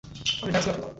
আমি ল্যান্সলট হতাম!